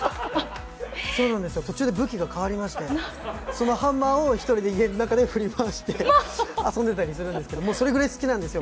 途中で武器が変わりまして、そのハンマーを１人で家の中で振り回してそれぐらい好きなんですよ